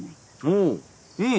うん